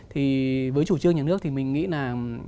thì với chủ trương nhà nước thì mình nghĩ là